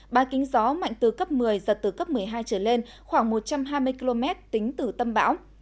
ba kính gió mạnh từ cấp một mươi giật từ cấp một mươi hai trở lên khoảng một trăm hai mươi km tính từ tâm bão